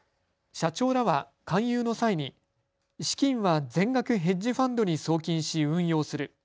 社長らは勧誘の際に資金は全額ヘッジファンドに送金し運用する。